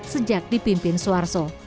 sejak dipimpin suharto